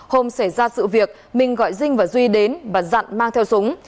hôm xảy ra sự việc minh gọi dinh và duy đến và dặn mang theo súng